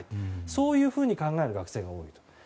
そういうふうに考える学生が多いと。